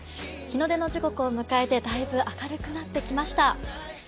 日の出の時刻を迎えて、だいぶ明るくなってきました。